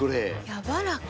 やわらか。